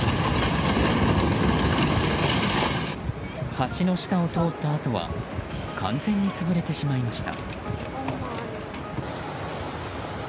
橋の下を通ったあとは完全に潰れてしまいました。